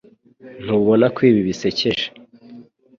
Ntubona ko ibi bisekeje